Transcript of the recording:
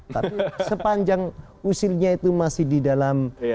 tapi sepanjang usirnya itu masih di dalam